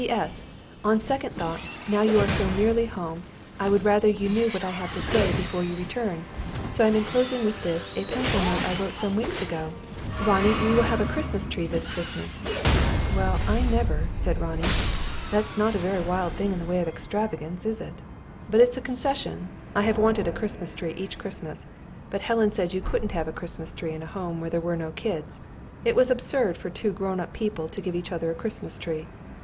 'P.S. On second thoughts, now you are so nearly home, I would rather you knew what I have to say, before your return; so I am enclosing with this a pencil note I wrote some weeks ago. Ronnie, we will have a Christmas tree this Christmas.' Well, I never!" said Ronnie. "That's not a very wild thing in the way of extravagance, is it? But it's a concession. I have wanted a Christmas tree each Christmas. But Helen said you couldn't have a Christmas tree in a home where there were no kids; it was absurd for two grownup people to give each other a Christmas tree.